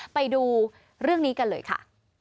ไปดูเรื่องนี้กันเลยค่ะ